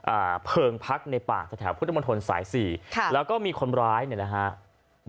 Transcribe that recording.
อ่าเพลิงพักในป่าแถวแถวพุทธมนตรสายสี่ค่ะแล้วก็มีคนร้ายเนี่ยนะฮะ